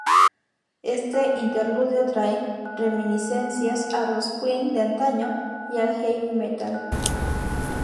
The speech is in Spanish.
Este interludio trae reminiscencias a los Queen de antaño y al heavy metal.